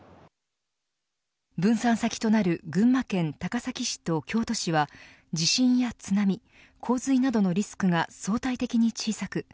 分散先となる群馬県高崎市と京都市は地震や津波洪水などのリスクが相対的に小さく